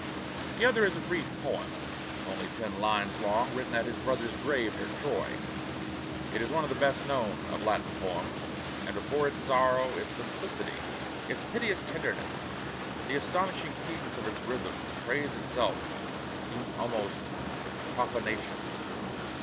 The other is a brief poem, only ten lines long, written at his brother's grave near Troy. It is one of the best known of Latin poems; and before its sorrow, its simplicity, its piteous tenderness, the astonishing cadence of its rhythms, praise itself seems almost profanation.